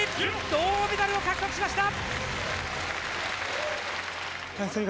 銅メダルを獲得しました！